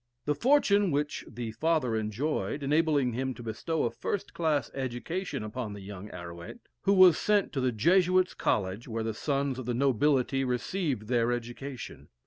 The fortune which the father enjoyed, enabled him to bestow a first class education upon the young Arouet, who was sent to the Jesuits' College, where the sons of the nobility received their education.